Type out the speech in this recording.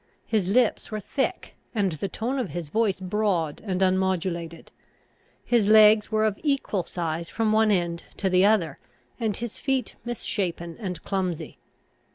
His lips were thick, and the tone of his voice broad and unmodulated. His legs were of equal size from one end to the other, and his feet misshapen and clumsy.